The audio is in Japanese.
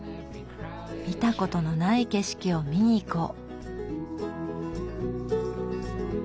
見たことのない景色を見にいこう。